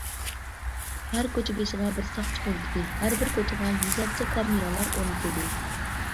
ھەر كوچا بېشىغا بىر ساقچى پونكىتى، ھەر بىر كوچىغا يۈزلەرچە كامېرالار ئورنىتىلدى.